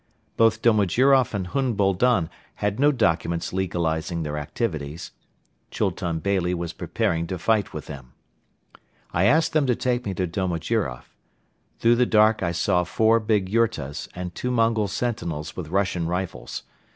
Both Domojiroff and Hun Boldon had no documents legalizing their activities. Chultun Beyli was preparing to fight with them. I asked them to take me to Domojiroff. Through the dark I saw four big yurtas and two Mongol sentinels with Russian rifles.